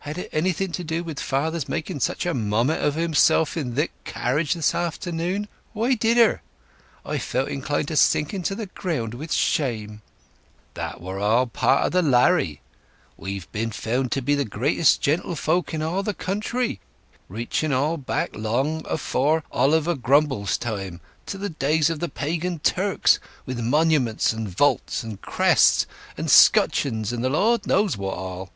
"Had it anything to do with father's making such a mommet of himself in thik carriage this afternoon? Why did 'er? I felt inclined to sink into the ground with shame!" "That wer all a part of the larry! We've been found to be the greatest gentlefolk in the whole county—reaching all back long before Oliver Grumble's time—to the days of the Pagan Turks—with monuments, and vaults, and crests, and 'scutcheons, and the Lord knows what all.